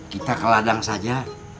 kita ke ladang saja